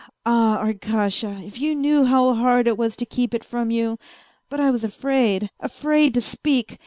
Ah, Arkasha, if you knew how hard it was to keep it from you ; but I was afraid, afraid to speak